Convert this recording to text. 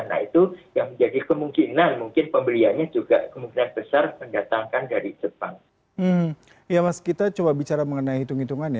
nah itu yang menjadi kemungkinan mungkin pembeliannya juga kemungkinan besar mendatangkan dari jepang